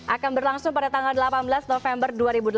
akan berlangsung pada tanggal delapan belas november dua ribu delapan belas